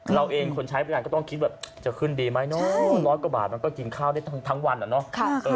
เราเองคนใช้บริการก็ต้องคิดแบบจะขึ้นดีไหมเนาะร้อยกว่าบาทมันก็กินข้าวได้ทั้งวันอะเนาะ